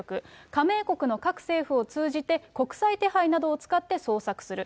加盟国の各政府を通じて、国際手配などを使って捜索する。